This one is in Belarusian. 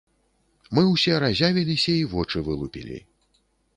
Мы ўсе разявіліся і вочы вылупілі.